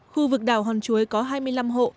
khu vực đảo hòn chuối có hai mươi năm hộ